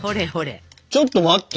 ちょっと待って。